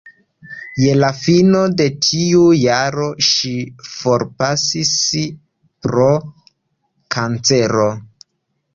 Je la fino de tiu jaro ŝi forpasis pro kancero.